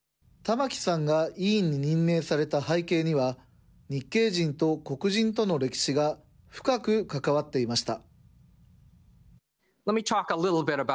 タマキさんが委員に任命された背景には、日系人と黒人との歴史が深く関わっていました。